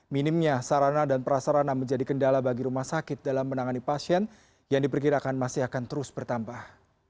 minimnya sarana dan prasarana menjadi kendala bagi rumah sakit dalam menangani pasien yang diperkirakan masih akan terus bertambah